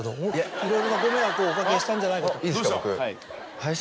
いろいろなご迷惑をおかけしたんじゃないかと。